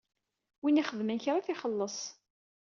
Win ixedmen kra ad t-ixelleṣ.